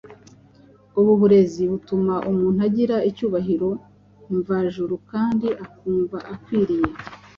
Ubu burezi butuma umuntu agira icyubahiro mvajuru kandi akumva akwiriye.